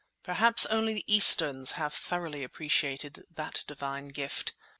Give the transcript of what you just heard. Perhaps only the Easterns have thoroughly appreciated that divine gift.